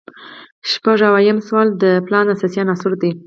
شپږ اویایم سوال د پلان اساسي عناصر دي.